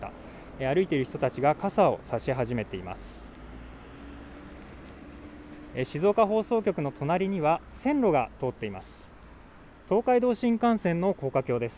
歩いている人たちが傘を差し始めています。